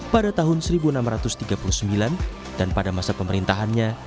pada tahun seribu enam ratus tiga puluh sembilan dan pada masa pemerintahannya